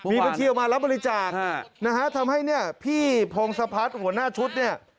มีบัญชีออกมาแล้วบริจาคทำให้พี่พงศพัฒน์หัวหน้าชุดเนี่ย